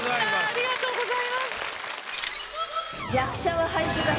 ありがとうございます。